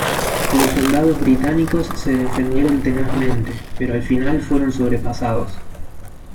Los soldados británicos se defendieron tenazmente, pero al final fueron sobrepasados.